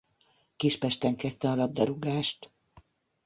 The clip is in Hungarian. Kispesten kezdte a labdarúgást.